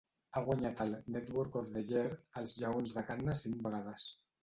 Ha guanyat el "Network of the Year" als lleons de Cannes cinc vegades.